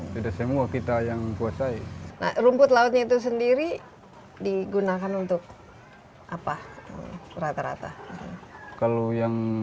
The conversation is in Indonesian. tidak semua kita yang kuasai nah rumput lautnya itu sendiri digunakan untuk apa rata rata kalau yang